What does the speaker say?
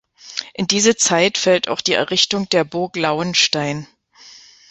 In diese Zeit fällt auch die Errichtung der Burg Lauenstein.